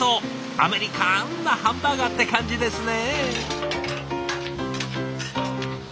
アメリカンなハンバーガーって感じですね。